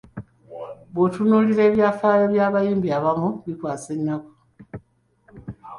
Bw’otunuulira ebyafaayo by’abayimbi abamu bikwasa ennaku.